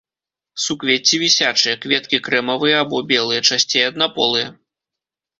Суквецці вісячыя, кветкі крэмавыя або белыя, часцей аднаполыя.